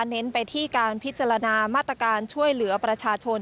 เน้นไปที่การพิจารณามาตรการช่วยเหลือประชาชน